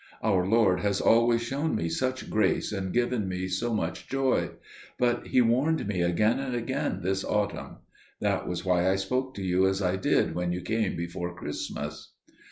Our Lord has always shown me such grace and given me so much joy. But He warned me again and again this autumn. That was why I spoke to you as I did when you came before Christmas.